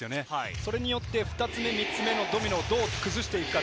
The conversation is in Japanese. それによって、２つ目３つ目のドミノをどう崩していくか。